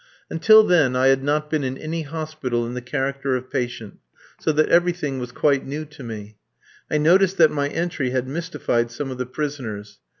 Until then I had not been in any hospital in the character of patient, so that everything was quite new to me. I noticed that my entry had mystified some of the prisoners.